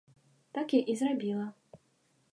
Так я і зрабіла.